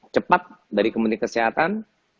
cepat dari kementerian kesehatan